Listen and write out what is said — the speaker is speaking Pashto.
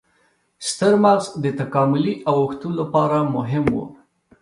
ستر مغز د تکاملي اوښتون لپاره مهم و.